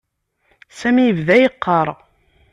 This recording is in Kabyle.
Sami yebda yeqqar.